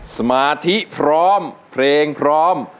สมาธิพร้อมเพลงพร้อม